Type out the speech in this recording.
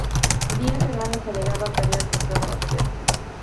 Díaz Hernández alegaba que había comprado las tierras.